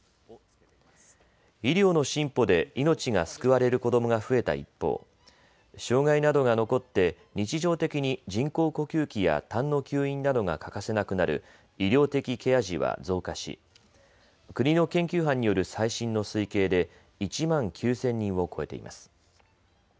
医療の進歩で命が救われる子どもが増えた一方、障害などが残って日常的に人工呼吸器やたんの吸引などが欠かせなくなる医療的ケア児は増加し国の研究班による最新の推計で１万９０００人を超えています。